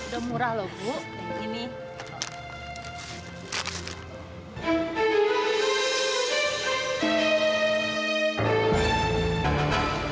udah murah loh bu